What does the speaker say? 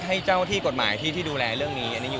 ให้เจ้าที่กฎหมายที่ดูแลเรื่องนี้อันนี้อยู่